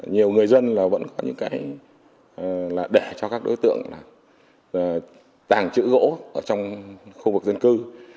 nhiều người dân vẫn có những cái để cho các đối tượng tàng trữ gỗ trong khu vực dân cư